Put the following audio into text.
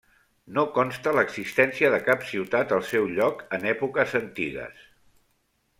No consta l'existència de cap ciutat al seu lloc en èpoques antigues.